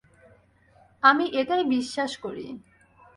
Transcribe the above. আমি এটাই বিশ্বাস করি।